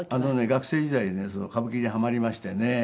学生時代にね歌舞伎にハマりましてね。